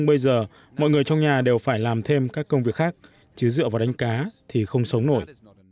nhưng bây giờ mọi người trong nhà đều phải làm thêm các công việc khác chứ dựa vào đánh cá thì không sống nổi